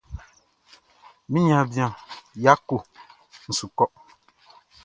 Mi niaan bian Yako n su kɔ.